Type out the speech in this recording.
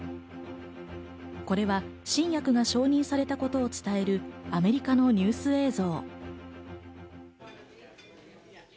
これは新薬の承認されたことを伝えるアメリカのニュース映像。